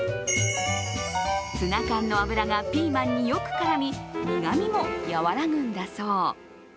ツナ缶の油がピーマンによく絡み苦みも和らぐんだそう。